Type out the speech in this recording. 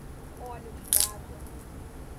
Olhos-d'Água